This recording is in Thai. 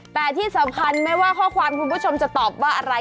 แต่ที่สำคัญไม่ว่าข้อความคุณผู้ชมจะตอบว่าอะไร